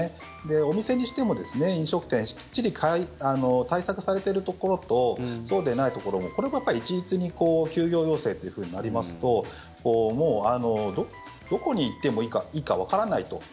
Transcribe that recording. お店にしても、飲食店きっちり対策されているところとそうでないところをこれもやっぱり一律に休業要請というふうになりますともう、どこに行っていいかわからないと。